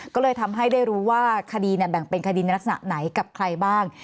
ก็เลยทำให้ได้รู้ว่าคดีแบ่งเป็นคดีในลักษณะไหนกับใครบ้าง